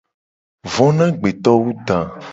Vo na agbeto wu da.